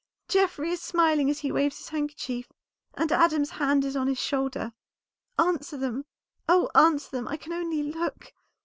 Geoffrey is smiling as he waves his handkerchief, and Adam's hand is on his shoulder. Answer them! oh, answer them! I can only look."